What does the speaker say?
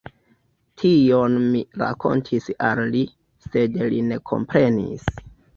Tion mi rakontis al li, sed li ne komprenis.